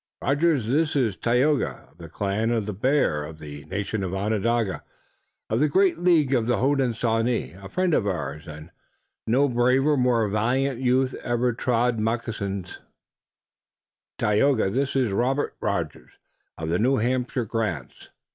"Rogers, this is Tayoga, of the clan of the Bear, of the nation Onondaga, of the great League of the Hodenosaunee, a friend of ours, and no braver or more valiant youth ever trod moccasin. Tayoga, this is Robert Rogers of the New Hampshire grants."